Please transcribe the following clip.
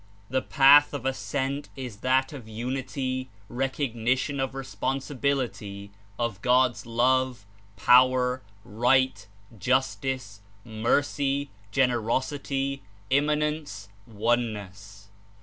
The path of ascent Is that of unity, recognition of responsibility, of God's love, power, right, justice, mercy, generosity, Im manence, Oneness.